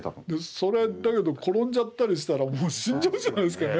それだけど転んじゃったりしたら死んじゃうんじゃないですかね。